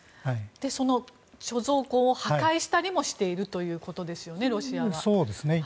貯蔵庫を破壊したりもしているということですよね、ロシアが。